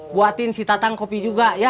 buatin si tatang kopi juga ya